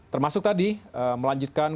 termasuk tadi melanjutkan